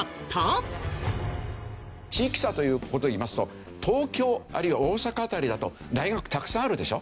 地域差という事をいいますと東京あるいは大阪辺りだと大学たくさんあるでしょ？